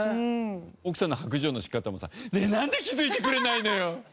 奥さんの白状の仕方もさ「ねえなんで気づいてくれないのよ！」